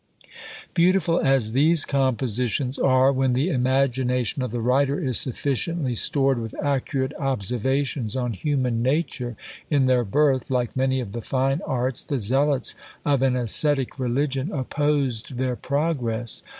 Beautiful as these compositions are, when the imagination of the writer is sufficiently stored with accurate observations on human nature, in their birth, like many of the fine arts, the zealots of an ascetic religion opposed their progress.